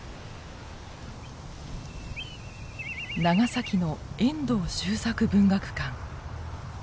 長崎の遠藤周作文学館。